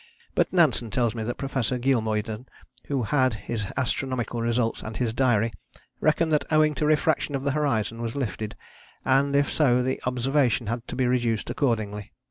But Nansen tells me that Professor Geelmuyden, who had his astronomical results and his diary, reckoned that owing to refraction the horizon was lifted, and if so the observation had to be reduced accordingly.